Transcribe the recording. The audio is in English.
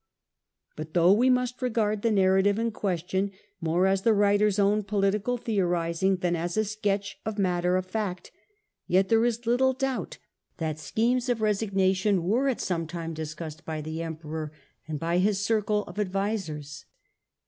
But though we must regard the narrative in question more as the writer's own political theorising than as a sketch of matter of fact, yet there is little doubt that schemes of resignation were at some time discussed by the Emperor and by his circle of ad visers.